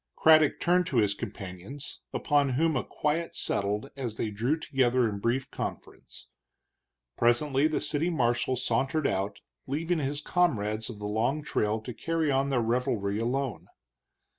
Craddock turned to his companions, upon whom a quiet settled as they drew together in brief conference. Presently the city marshal sauntered out, leaving his comrades of the long trail to carry on their revelry alone.